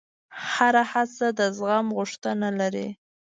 هره هڅه د زغم غوښتنه لري.